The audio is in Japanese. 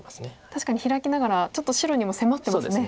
確かにヒラきながらちょっと白にも迫ってますね。